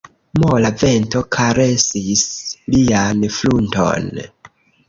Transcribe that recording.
Mola vento karesis lian frunton.